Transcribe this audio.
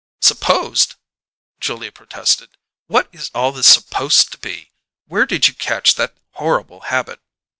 "'Supposed'!" Julia protested. "What is all this 'supposed to be'? Where did you catch that horrible habit?